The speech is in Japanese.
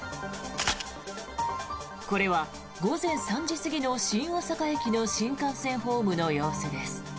これは午前３時過ぎの新大阪駅の新幹線ホームの様子です。